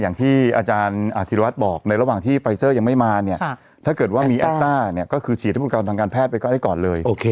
อย่างที่อาจารย์อธิรวัตรบอกในระหว่างที่ไฟเซอร์ยังไม่มาเนี่ยถ้าเกิดว่ามีแอสต้าเนี่ยก็คือฉีดให้ผู้ประกอบทางการแพทย์ไปก็ได้ก่อนเลย